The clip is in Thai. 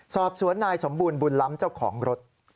สอบสวนนายสมบูรณบุญล้ำเจ้าของรถ